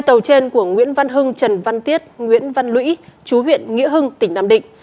tàu trên của nguyễn văn hưng trần văn tiết nguyễn văn lũy chú huyện nghĩa hưng tỉnh nam định